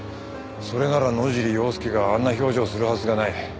それなら野尻要介があんな表情するはずがない。